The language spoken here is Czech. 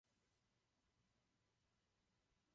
Sídlem župy pro Východní Čechy byl určen Hradec Králové.